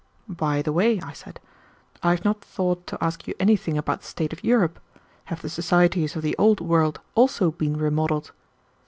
"By the way," I said, "I have not thought to ask you anything about the state of Europe. Have the societies of the Old World also been remodeled?"